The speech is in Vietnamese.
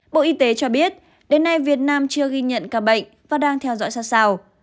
bộ y tế cho biết đến nay việt nam chưa ghi nhận ca bệnh và đang theo dõi sát sao